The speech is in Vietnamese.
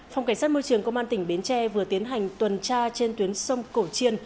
phòng cảnh sát môi trường công an tỉnh bến tre vừa tiến hành tuần tra trên tuyến sông cổ chiên